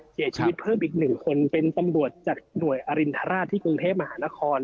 เสียชีวิตเพิ่มอีก๑คนเป็นตำรวจจากหน่วยอรินทราชที่กรุงเทพมหานคร